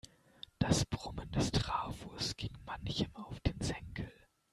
Das Brummen des Trafos ging manchem auf den Senkel.